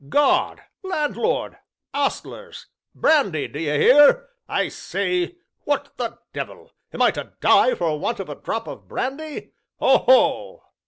Guard, landlord, ostlers brandy, d'ye hear? I say, what the devil! Am I to die for want of a drop of brandy? Oho!"